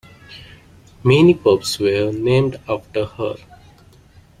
Many pubs were named after her.